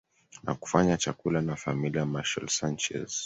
na kufanya chakula na familia Marcial Sanchez